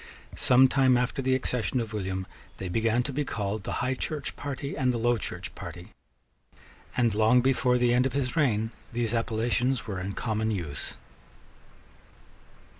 Some time after the accession of William they began to be called the High Church party and the Low Church party; and, long before the end of his reign, these appellations were in common use.